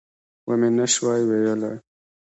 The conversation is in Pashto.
ومې نه شوای ویلای.